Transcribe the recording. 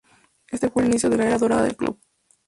Este fue el inicio de la era dorada del club.